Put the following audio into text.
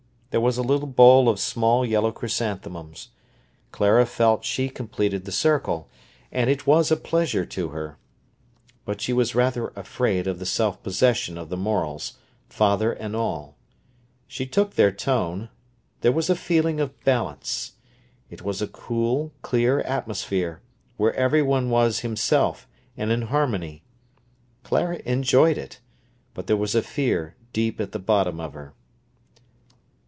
There was a little bowl of small, yellow chrysanthemums. Clara felt she completed the circle, and it was a pleasure to her. But she was rather afraid of the self possession of the Morels, father and all. She took their tone; there was a feeling of balance. It was a cool, clear atmosphere, where everyone was himself, and in harmony. Clara enjoyed it, but there was a fear deep at the bottom of her.